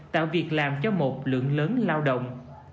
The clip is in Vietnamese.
tạo việc làm cho một lượng lớn lao động